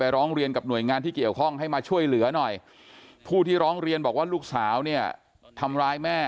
ร้องเรียนกับหน่วยงานที่เกี่ยวข้องให้มาช่วยเหลือหน่อยผู้ที่ร้องเรียนบอกว่าลูกสาวเนี่ยทำร้ายแม่